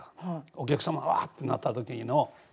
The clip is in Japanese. お客様わってなった時の。